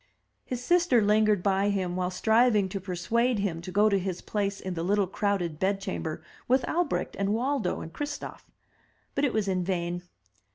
His sister lingered by him while striving to persuade him to go to his place in the little crowded bed chamber with Albrecht and Waldo and Christof. But it was in vain.